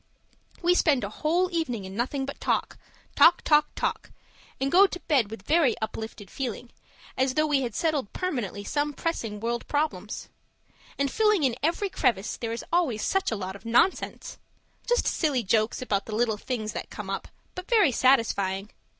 We spend a whole evening in nothing but talk talk talk and go to bed with a very uplifted feeling, as though we had settled permanently some pressing world problems. And filling in every crevice, there is always such a lot of nonsense just silly jokes about the little things that come up but very satisfying.